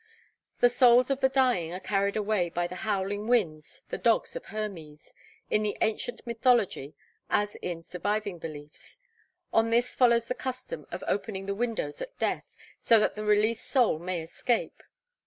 The souls of the dying are carried away by the howling winds, the dogs of Hermes, in the ancient mythology as in surviving beliefs; on this follows the custom of opening the windows at death, so that the released soul may escape.